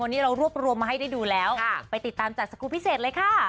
นี่เรารวบรวมมาให้ได้ดูแล้วไปติดตามจากสกูลพิเศษเลยค่ะ